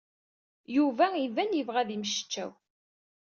Yuba iban yebɣa ad yemmectcaw.